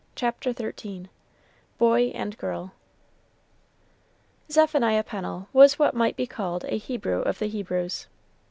CHAPTER XIII BOY AND GIRL Zephaniah Pennel was what might be called a Hebrew of the Hebrews.